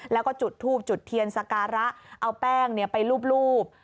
แล้วก็จุดทูบจุดเทียนสการะเอาแป้งไปรูป